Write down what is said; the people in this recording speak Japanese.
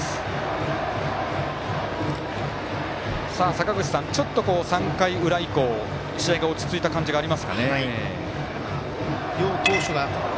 坂口さん、ちょっと３回裏以降試合が落ち着いた感じがありますかね。